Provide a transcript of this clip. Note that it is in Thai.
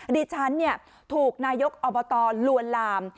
ดิฉันถูกนายกอบตลวนลาม